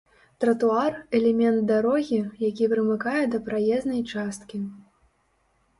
Тратуар — элемент дарогі, які прымыкае да праезнай часткі